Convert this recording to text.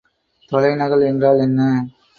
தொலைநகல் என்றால் என்ன?